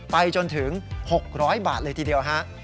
ไปจนถึง๖๐๐บาทเลยทีเดียวฮะ